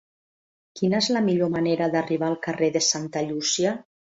Quina és la millor manera d'arribar al carrer de Santa Llúcia?